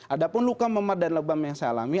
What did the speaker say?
adapun luka memat dan lebam yang saya alami